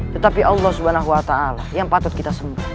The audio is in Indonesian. tetapi allah subhanahu wa ta'ala yang patut kita sembah